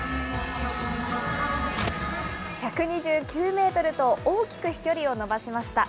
１２９メートルと大きく飛距離を伸ばしました。